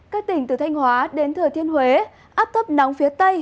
các tỉnh từ thanh hóa đến thừa thiên huế áp thấp nóng phía tây